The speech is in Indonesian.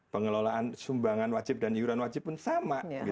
pengelolaan sumbangan wajib dan iuran wajib pun sama